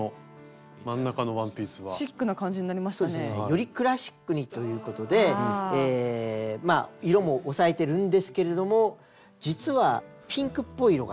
よりクラシックにということで色も抑えてるんですけれども実はピンクっぽい色が入っているんですよ。